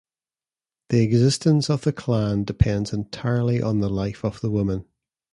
The existence of the clan depends entirely on the life of the women.